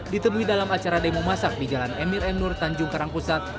ditebui dalam acara demo masak di jalan emir enur tanjung karangpusat